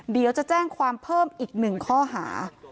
เดี๋ยวจะแจ้งความเพิ่มอีก๑ข้อหา